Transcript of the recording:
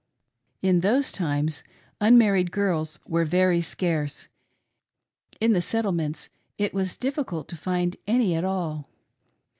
In those times, unmarried girls were very scarce — in the settlements it was difficult to find any at all.